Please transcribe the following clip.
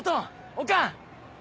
おかん！